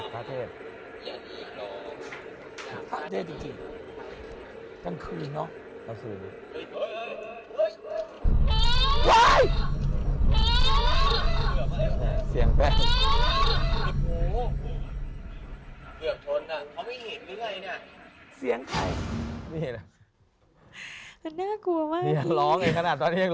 เขาไม่เห็นเลยนี่นาค่ะเหรอ